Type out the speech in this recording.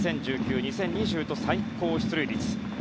２０１９、２０２０と最高出塁率。